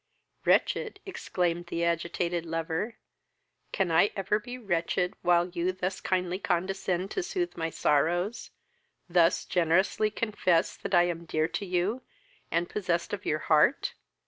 "Wretched! (exclaimed the agitated lover,) Can I ever be wretched while you thus kindly condescend to sooth my sorrows, thus generously confess that I am dear to you, and possessed of your heart?